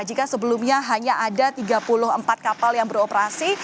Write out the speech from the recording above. jika sebelumnya hanya ada tiga puluh empat kapal yang beroperasi